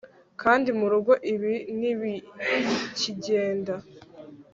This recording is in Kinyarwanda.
kandi murugo ibi ntibikigenda